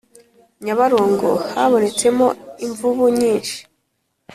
Nyabarongo habonetsemo imvubu nyinshi